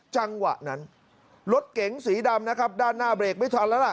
จังหวะนั้นรถเก๋งสีดำนะครับด้านหน้าเบรกไม่ทันแล้วล่ะ